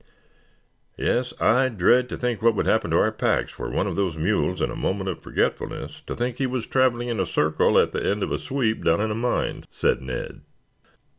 "Yes, I dread to think what would happen to our packs were one of those mules, in a moment of forgetfulness, to think he was traveling in a circle at the end of a sweep down in a mine," said Ned.